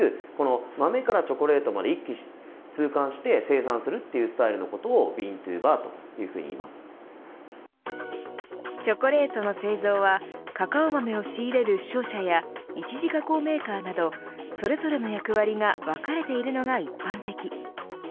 豆からチョコまで一気通貫して生産するスタイルというものをＢｅａｎｔｏＢａｒチョコレートの製造はカカオ豆を仕入れる商社や１次加工メーカーなどそれぞれの役割が分かれているのが一般的。